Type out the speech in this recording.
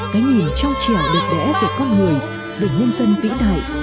cái nhìn trao trẻo được đẽ về con người về nhân dân vĩ đại